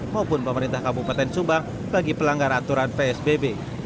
maupun pemerintah kabupaten subang bagi pelanggar aturan psbb